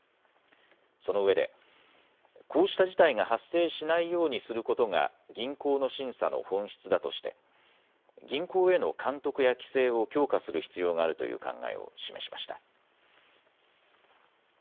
そのうえでこうした事態が発生しないようにすることが銀行の審査の本質だとして銀行への監督や規制を強化する必要があるという考えを示しました。